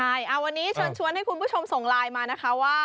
ใช่วันนี้เชิญชวนให้คุณผู้ชมส่งไลน์มานะคะว่า